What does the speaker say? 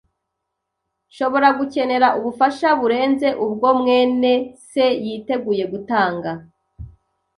Nshobora gukenera ubufasha burenze ubwo mwene se yiteguye gutanga.